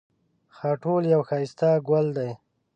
خاټول یو ښایسته ګل دی